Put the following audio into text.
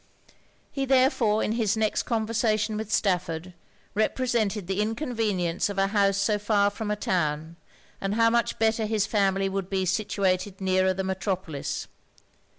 He therefore in his next conversation with Stafford represented the inconvenience of a house so far from a town, and how much better his family would be situated nearer the metropolis.